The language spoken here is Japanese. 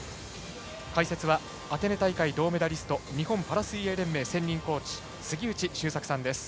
解説はアテネ大会銅メダリスト日本パラ水泳連盟専任コーチの杉内周作さんです。